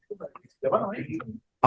jepang atau indonesia